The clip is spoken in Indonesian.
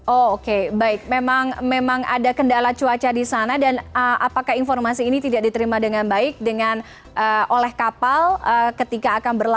oh oke baik memang ada kendala cuaca di sana dan apakah informasi ini tidak diterima dengan baik oleh kapal ketika akan berlaku